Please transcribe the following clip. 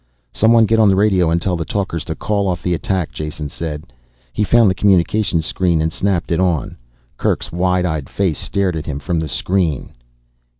"Someone get on the radio and tell the talkers to call the attack off," Jason said. He found the communications screen and snapped it on. Kerk's wide eyed face stared at him from the screen.